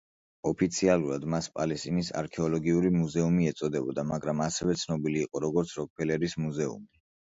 ოფიციალურად, მას პალესტინის არქეოლოგიური მუზეუმი ეწოდებოდა, მაგრამ ასევე ცნობილი იყო, როგორც როკფელერის მუზეუმი.